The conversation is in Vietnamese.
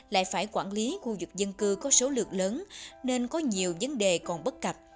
lại phải quản lý khu vực dân cư có số lượng lớn nên có nhiều vấn đề còn bất cập